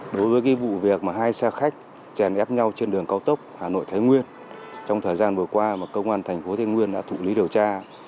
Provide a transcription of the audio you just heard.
đối với vụ việc mà hai xe khách chèn ép nhau trên đường cao tốc hà nội thái nguyên trong thời gian vừa qua mà công an thành phố thái nguyên đã thụ lý điều tra